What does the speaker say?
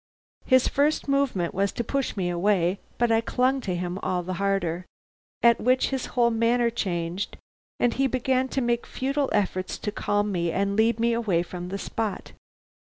"His first movement was to push me away, but I clung to him all the harder; at which his whole manner changed and he began to make futile efforts to calm me and lead me away from the spot.